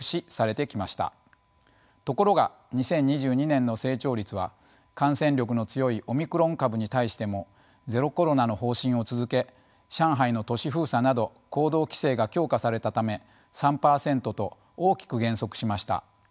ところが２０２２年の成長率は感染力の強いオミクロン株に対してもゼロコロナの方針を続け上海の都市封鎖など行動規制が強化されたため３％と大きく減速しました。